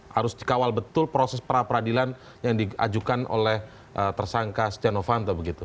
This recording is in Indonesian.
harus dikawal betul proses pra peradilan yang diajukan oleh tersangka setia novanto begitu